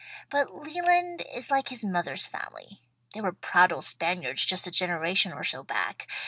But Leland is like his mother's family (they were proud old Spaniards just a generation or so back).